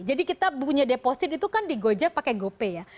jadi kita punya deposit itu kan di gojek pakai gopay ya